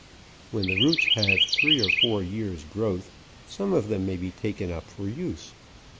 When the roots have three or four years growth, some of them may be taken up for use.